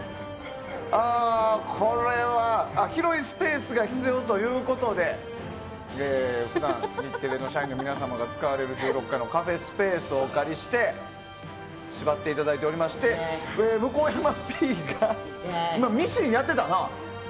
広いスペースが必要ということで普段日テレの社員の皆様が使われる、１６階のカフェスペースをお借りして縛っていただいておりまして向山Ｐが今、ミシンやってたな。